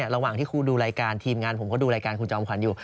ระหว่างที่ครูดูรายการทีมงานผมก็ดูรายการคุณจอมขวัญอยู่